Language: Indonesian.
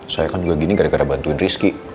saya kan juga gini gara gara bantuin rizky